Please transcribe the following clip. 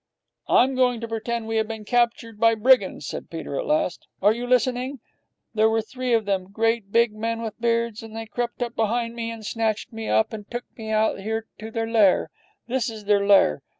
'I'm going to pretend we have been captured by brigands,' said Peter at last. 'Are you listening? There were three of them, great big men with beards, and they crept up behind me and snatched me up and took me out here to their lair. This is their lair.